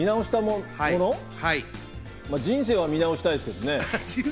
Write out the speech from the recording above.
人生は見直したいですけどね。